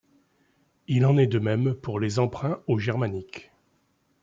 Il en est de même pour les emprunts au germanique.